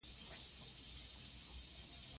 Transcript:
خلک به د هغې قبر ته درناوی کوله.